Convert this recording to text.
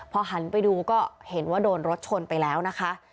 พอหันไปดูก็เห็นว่าโดนรถชนไปแล้วนะคะ